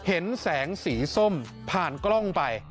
เห็นแสงสีส้มผ่านกล้องไป